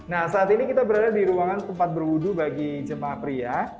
nah saat ini kita berada di ruangan tempat berwudu bagi jemaah pria